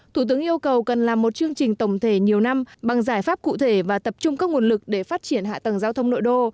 thủ tướng yêu cầu cần làm một chương trình tổng thể nhiều năm bằng giải pháp cụ thể và tập trung các nguồn lực để phát triển hạ tầng giao thông nội đô